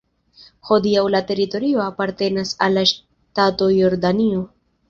Hodiaŭ la teritorio apartenas al la ŝtato Jordanio.